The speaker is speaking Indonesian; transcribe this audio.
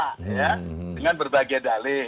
dengan berbagai dalih